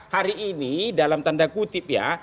hari ini dalam tanda kutip ya